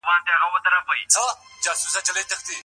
تاسو باید د اوبو د ذخیرې کولو ټانکۍ تل سرپټې وساتئ.